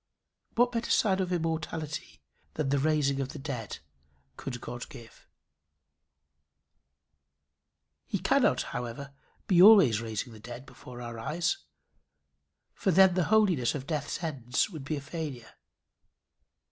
What better sign of immortality than the raising of the dead could God give? He cannot, however, be always raising the dead before our eyes; for then the holiness of death's ends would be a failure.